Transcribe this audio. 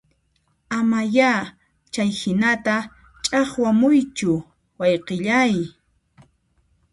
Ama ya chayhinata ch'aqwamuychu wayqillay